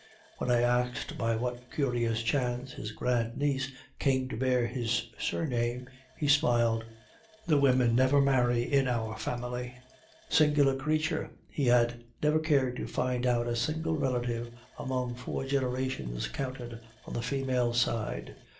When I asked by what curious chance his grandniece came to bear his surname, he smiled: "'The women never marry in our family.' "Singular creature, he had never cared to find out a single relative among four generations counted on the female side.